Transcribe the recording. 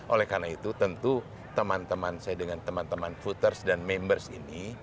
oleh karena itu tentu teman teman saya dengan teman teman footers dan members ini